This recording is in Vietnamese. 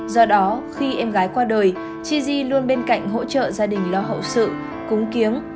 do đó khi em gái qua đời chi di luôn bên cạnh hỗ trợ gia đình lo hậu sự cúng kiếng